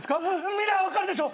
見りゃ分かるでしょ。